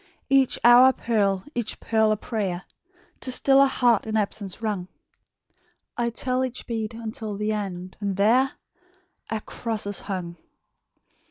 "Each hour a pearl, each pearl a prayer, To still a heart in absence wrung; I tell each bead unto the end, and there A cross is hung!"